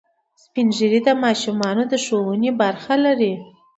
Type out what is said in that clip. سپین ږیری د ماشومانو د ښوونې برخه لري